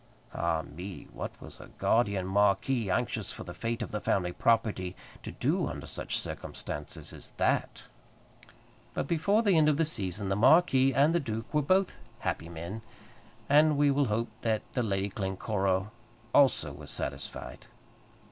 Ah me! what was a guardian marquis, anxious for the fate of the family property, to do under such circumstances as that? But before the end of the season the marquis and the duke were both happy men, and we will hope that the Lady Glencora also was satisfied.